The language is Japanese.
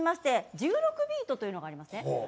１６ビートというのがありますね。